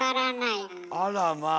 あらまあ。